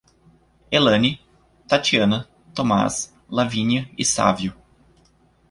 Elane, Tatiana, Thomás, Lavínia e Sávio